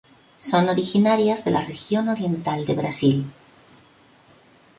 Son originarias de la región oriental de Brasil.